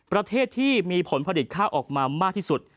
ประเทศที่มีผลผลิตข้าวออกมามากที่สุด